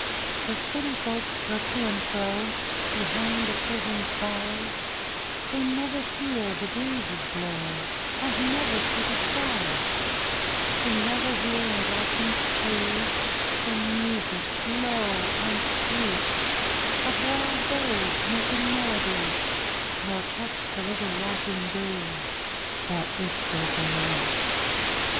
The city folk go to and fro Behind a prison's bars, They never feel the breezes blow And never see the stars; They never hear in blossomed trees The music low and sweet Of wild birds making melodies, Nor catch the little laughing breeze That whispers in the wheat.